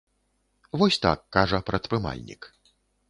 Вось так кажа прадпрымальнік.